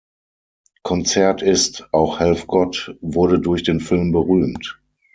Konzert ist, auch Helfgott wurde durch den Film berühmt.